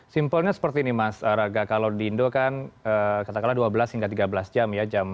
simpelnya seperti ini mas raga kalau di indo kan katakanlah dua belas hingga tiga belas jam ya